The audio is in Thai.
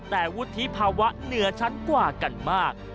แต่วุฒิภาวะเหนือชั้นกว่ากันมาก